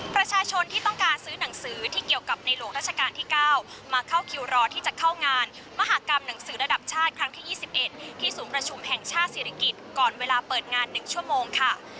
ประชาชนที่ต้องการซื้อหนังสือที่เกี่ยวกับในหลวงราชการที่๙มาเข้าคิวรอที่จะเข้างานมหากรรมหนังสือระดับชาติครั้งที่๒๑ที่ศูนย์ประชุมแห่งชาติศิริกิจก่อนเวลาเปิดงาน๑ชั่วโมงค่ะ